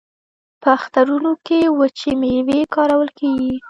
په اخترونو کې وچې میوې کارول کیږي.